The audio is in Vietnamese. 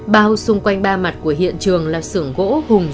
bao xung quanh ba mặt của hiện trường có một mặt gần như thẳng đứng không có đường mòn